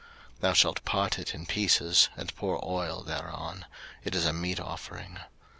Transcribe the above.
03:002:006 Thou shalt part it in pieces, and pour oil thereon: it is a meat offering.